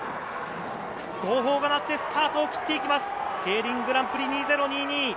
号砲が鳴って、スタートを切っていきます、ＫＥＩＲＩＮグランプリ２０２２。